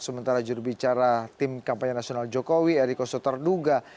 sementara jurubicara tim kampanye nasional jokowi eriko sotarduga